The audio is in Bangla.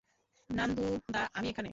নান্দুদা, আমি এখানে!